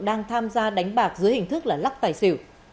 đang tham gia đánh bạc dưới hình thức là lắc tài xỉu